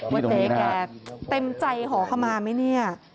เจ๊แกเต็มใจขอขมาไหมเนี่ย